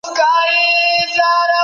سم نیت درد نه پیدا کوي.